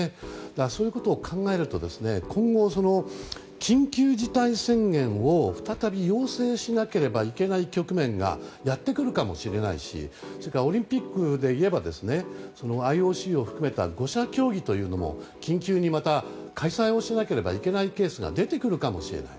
そういうことを考えると今後、緊急事態宣言を再び要請しなければいけない局面がやってくるかもしれないしオリンピックでいえばＩＯＣを含めた５者協議というのも緊急にまた開催をしなければいけないケースが出てくるかもしれない。